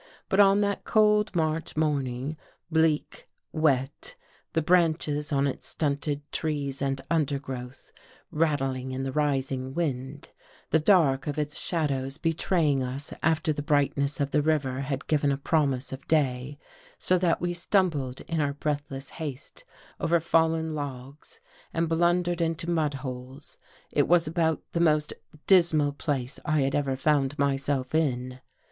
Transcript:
But on that cold March morning, bleak, wet, the branches on its stunted trees and undergrowth rattling in the rising wind; the dark of its shadows 280 WHAT WE SAW IN THE CAVE betraying us after the brightness of the river had given a promise of day, so that we stumbled in our breathless haste over fallen logs and blundered into mudholes, it was about the most dismal place I had ever found myself in.